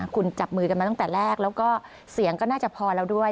คุณจับมือกันมาตั้งแต่แรกแล้วก็เสียงก็น่าจะพอแล้วด้วย